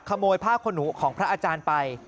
ขโมยผ้าขนหนูของพระอาจารย์ไป